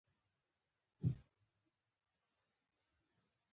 معاصر ټولنیز علوم یې د ازادۍ اساس بولي.